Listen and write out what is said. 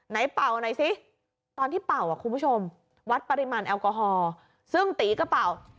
เป่าหน่อยสิตอนที่เป่าอ่ะคุณผู้ชมวัดปริมาณแอลกอฮอล์ซึ่งตีก็เป่า